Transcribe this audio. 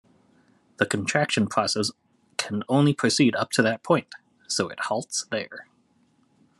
The contraction process can only proceed up to that point, so it halts there.